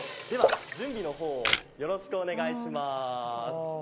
準備の方をよろしくお願いします。